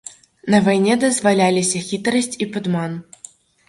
На вайне дазваляліся хітрасць і падман.